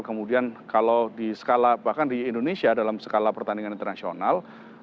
kemudian kalau di skala bahkan di indonesia dalam skala pertandingan internasional